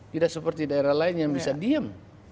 tidak seperti daerah lain yang bisa diam